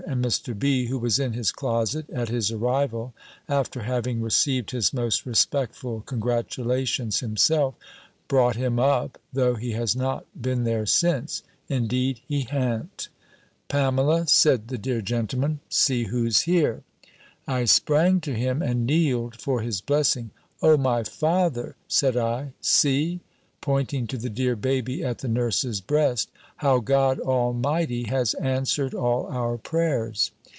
And Mr. B., who was in his closet, at his arrival, after having received his most respectful congratulations himself, brought him up (though he has not been there since: indeed he ha'n't!) "Pamela," said the dear gentleman, "see who's here!" I sprang to him, and kneeled for his blessing: "O my father!" said I, "see" (pointing to the dear baby at the nurse's breast), "how God Almighty has answered all our prayers!"